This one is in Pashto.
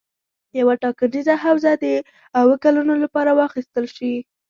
یوه ټاکنیزه حوزه د اووه کلونو لپاره واخیستل شي.